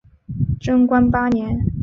贞观八年。